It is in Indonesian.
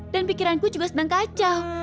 dan pikiranku juga sedang kacau